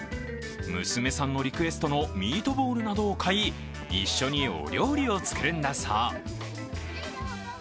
娘さんのリクエストのミートボールなどを買い、一緒にお料理を作るんだそう。